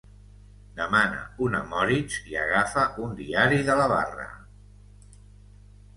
Demana una Moritz i agafa un diari de la barra.